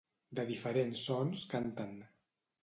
De diferents sons canten.